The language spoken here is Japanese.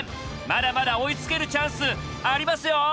まだまだ追いつけるチャンスありますよ！